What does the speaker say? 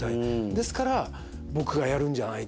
ですから僕がやるんじゃない。